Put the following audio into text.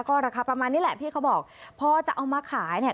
ก็ราคาประมาณนี้แหละพี่เขาบอกพอจะเอามาขายเนี่ย